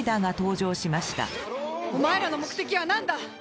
お前らの目的は何だ！